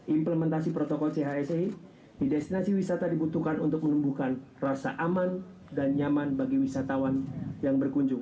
implementasi protokol chse di destinasi wisata dibutuhkan untuk menumbuhkan rasa aman dan nyaman bagi wisatawan yang berkunjung